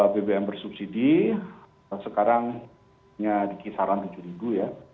bbm bersubsidi sekarangnya di kisaran tujuh ribu ya